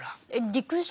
陸上？